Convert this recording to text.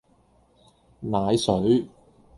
奶水